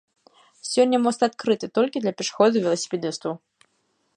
Сёння мост адкрыты толькі для пешаходаў і веласіпедыстаў.